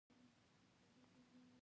د احمد پياله يې تر مذبه ور ډکه کړه.